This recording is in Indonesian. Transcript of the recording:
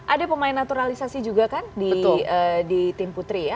ada pemain naturalisasi juga kan di tim putri ya